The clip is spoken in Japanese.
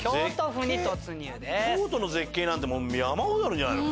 京都の絶景なんてもう山ほどあるんじゃないの？